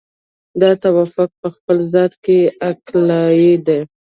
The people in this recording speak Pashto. دا توافق په خپل ذات کې عقلایي دی.